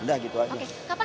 nah gitu aja